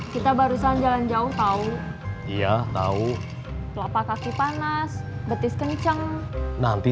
kita barusan jalan jauh tahu iya tahu kelapa kaki panas betis kenceng nanti